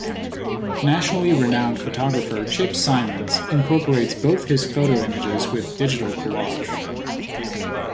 Nationally renowned photographer Chip Simons incorporates both his photo images with digital collage.